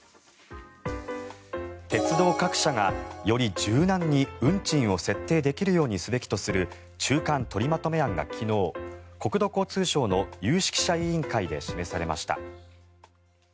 鉄道各社がより柔軟に運賃を設定できるようにすべきとする中間取りまとめ案が昨日国土交通省の有識者委員会で示されました。